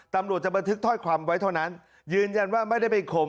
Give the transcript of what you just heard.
ตำรวจจะบันทึกถ้อยคำไว้เท่านั้นยืนยันว่าไม่ได้ไปข่ม